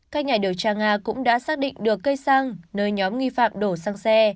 các nhà điều tra nga cũng đã xác định được cây xăng nơi nhóm nghi phạm đổ sang xe